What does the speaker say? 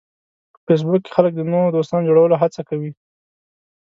په فېسبوک کې خلک د نوو دوستانو جوړولو هڅه کوي